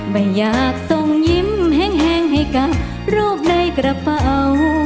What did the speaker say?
ไม่อยากส่งยิ้มแห้งให้กับรูปในกระเป๋า